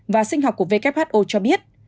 và sinh học của who cho biết